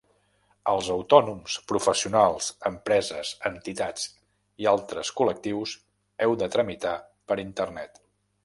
Els autònoms, professionals, empreses, entitats i altres col·lectius heu de tramitar per internet.